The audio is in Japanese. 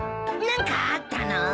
何かあったの？